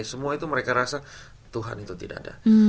semua itu mereka rasa tuhan itu tidak ada